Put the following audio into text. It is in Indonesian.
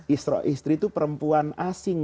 istri istri itu perempuan asing